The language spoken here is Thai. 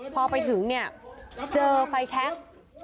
พอไปถึงเนี่ยเจอไฟแชค